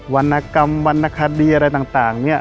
วรรณกรรมวรรณคดีอะไรต่าง